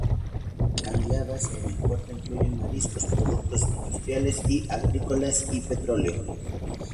Las cargas intercambiadas en el puerto incluyen mariscos, productos industriales y agrícolas y petróleo.